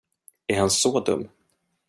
Är han så dum?